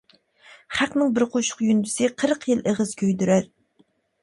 خەقنىڭ بىر قوشۇق يۇندىسى، قىرىق يىل ئېغىز كۆيدۈرەر.